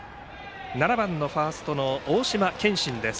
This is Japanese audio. ７番、ファースト大島健真です。